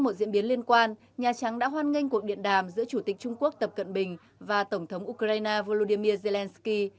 trong quan nhà trắng đã hoan nghênh cuộc điện đàm giữa chủ tịch trung quốc tập cận bình và tổng thống ukraine volodymyr zelensky